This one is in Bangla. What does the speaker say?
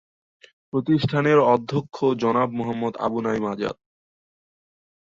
প্রতিষ্ঠানের অধ্যক্ষ জনাব মুহাম্মদ আবু নঈম আজাদ।